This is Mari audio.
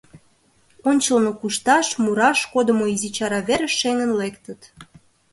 Ончылно кушташ, мураш кодымо изи чара верыш шеҥын лектыт.